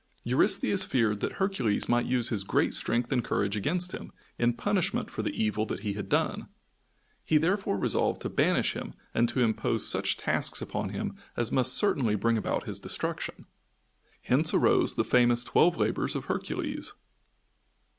Eurystheus feared that Hercules might use his great strength and courage against him, in punishment for the evil that he had done. He therefore resolved to banish him and to impose such tasks upon him as must certainly bring about his destruction. Hence arose the famous twelve labors of Hercules.